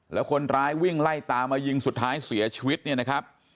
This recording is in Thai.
แล้วคนร้ายวิ่งไล่ตามมายิงสุดท้ายเสียชีวิตเนี่ยนะครับ